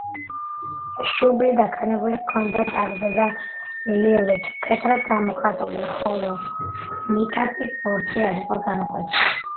შუბლი დაქანებული ჰქონდა, წარბზედა ლილვი მკვეთრად გამოხატული, ხოლო ნიკაპის ბორცვი არ იყო გამოკვეთილი.